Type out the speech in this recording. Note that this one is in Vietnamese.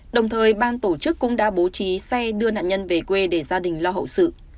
đồng thời ban tổ chức cũng đã bố trí xe đưa nạn nhân về quê để gia đình lo hậu sự